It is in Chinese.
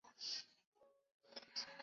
现该城为一个农业中心。